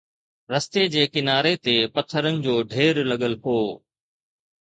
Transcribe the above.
رستي جي ڪناري تي پٿرن جو ڍير لڳل هو